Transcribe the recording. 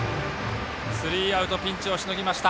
スリーアウトピンチをしのぎました。